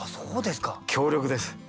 強力です。